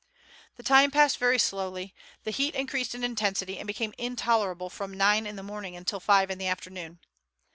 The time passed very slowly, the heat increased in intensity and became intolerable from nine in the morning until five in the afternoon.